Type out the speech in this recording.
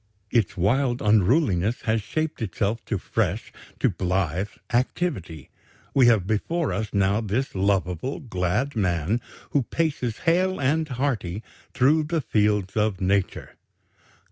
Its wild unruliness has shaped itself to fresh, to blithe activity; we have before us now this lovable, glad man, who paces hale and hearty through the fields of Nature."